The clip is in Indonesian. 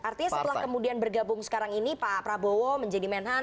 artinya setelah kemudian bergabung sekarang ini pak prabowo menjadi menhan